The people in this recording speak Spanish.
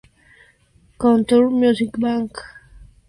Countdown", "Music Bank", "Show Champion" e "Inkigayo".